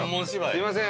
すみません